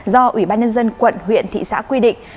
do ủy ban nhân dân quận huyện thị xã quy định